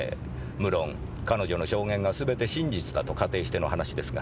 無論彼女の証言が全て真実だと仮定しての話ですが。